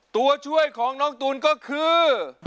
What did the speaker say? ตัวช่วยของน้องตูนก็คือ